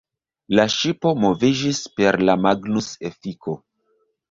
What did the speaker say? La ŝipo moviĝis per la Magnus-efiko.